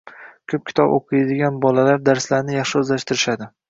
Ko‘p kitob o‘qiydigan bolalar darslarni yaxshi o‘zlashtirishadi.